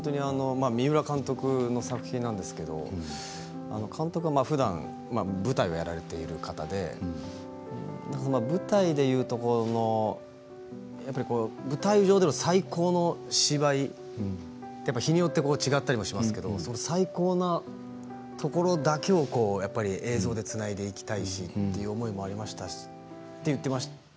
三浦監督の作品なんですけれど監督はふだん舞台をやられている方で舞台でいうところのやっぱり舞台上の最高の芝居日によって違ったりもしますけれどその最高のところだけをやっぱり映像でつないでいきたいしという思いもありましたしと言っていました。